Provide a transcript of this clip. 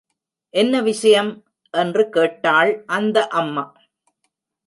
என்ன விஷயம்? என்று கேட்டாள், அந்த அம்மா.